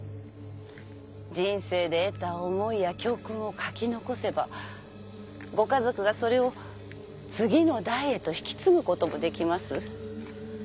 人生で得た思いや教訓を書き残せばご家族がそれを次の代へと引き継ぐこともできます。